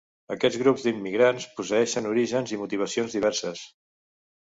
Aquests grups d'immigrants posseeixen orígens i motivacions diverses.